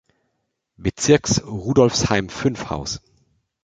Bezirks Rudolfsheim-Fünfhaus.